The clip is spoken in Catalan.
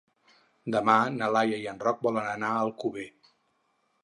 Demà na Laia i en Roc volen anar a Alcover.